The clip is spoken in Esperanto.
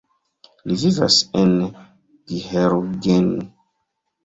Li vivas en Gheorgheni.